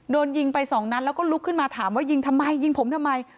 โดนยิงไปสองนัดแล้วก็ลุกขึ้นมาถามว่ายิงทำไมยิงผมทำไม